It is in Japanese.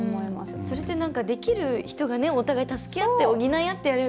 それって、できる人がお互い助け合って補い合ってやる。